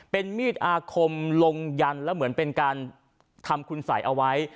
เป็นมีดอาคมลงยันแล้วเหมือนเป็นการทำคุณสัยเอาไว้